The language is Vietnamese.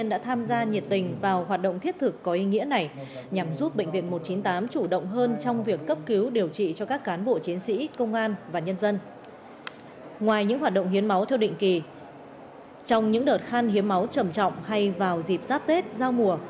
ngoài những hoạt động hiến máu theo định kỳ trong những đợt khăn hiến máu trầm trọng hay vào dịp giáp tết giao mùa